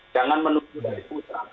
jangan menutup dari pusat